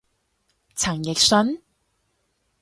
陳奕迅？